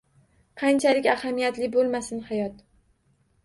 Qanchalik ahamiyatli bo‘lmasin, hayot.